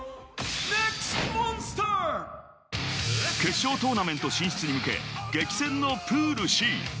決勝トーナメント進出に向け、激戦のプールＣ。